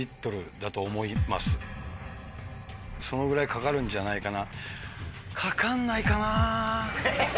そのぐらいかかるんじゃないかな？